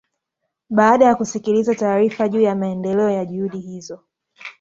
baada ya kusikiliza taarifa juu ya maendeleo ya juhudi hizo